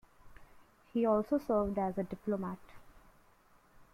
He also served as a diplomat.